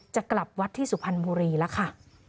จะกลับวัดที่สุพรรณบุรีแล้วค่ะ